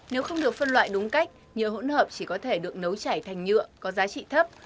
nếu không được phân loại đúng cách nhựa hỗn hợp chỉ có thể được nấu chảy thành nhựa có giá trị thấp